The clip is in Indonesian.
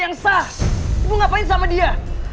apa yang ibu ngapain sama dia